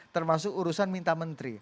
termasuk urusan minta menteri